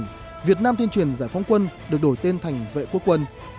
đội việt nam tiên truyền giải phóng quân được đổi tên thành vệ quốc quân